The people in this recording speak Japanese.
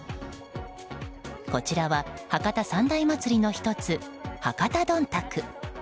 こちらは博多三大祭りの１つ博多どんたく。